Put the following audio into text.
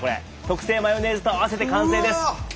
特製マヨネーズと合わせて完成です。